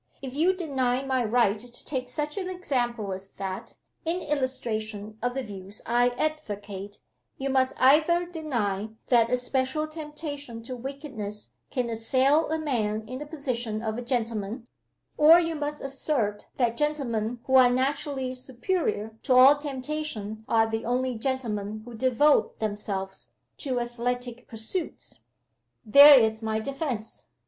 If you deny my right to take such an example as that, in illustration of the views I advocate, you must either deny that a special temptation to wickedness can assail a man in the position of a gentleman, or you must assert that gentlemen who are naturally superior to all temptation are the only gentlemen who devote themselves to athletic pursuits. There is my defense.